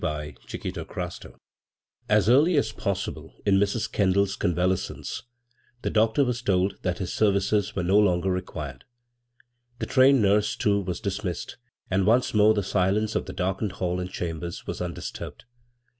b, Google S^ CHAPTER VlII AS early as possible in Mrs. Kendall's convalescence the doctor was told that his services were no longer re quired. The trained nurse, too, was dis missed, and once more the silence of the darkened hall and chambers was undisturbed.